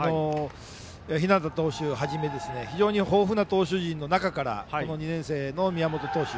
日當投手をはじめ非常に豊富な投手陣の中からこの２年生の宮本投手。